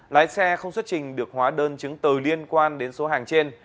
lái xe không xuất trình được hóa đơn chứng từ liên quan đến số hàng trên